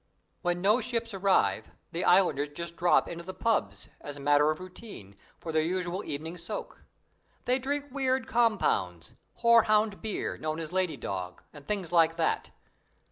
When no ships arrive, the Islanders just drop into the pubs, as a matter of routine, for their usual evening soak. They drink weird compounds horehound beer, known as "lady dog", and things like that.